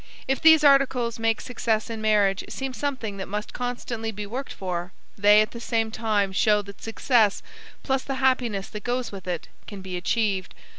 If these articles make success in marriage seem something that must constantly be worked for, they at the same time show that success, plus the happiness that goes with it, can be achieved.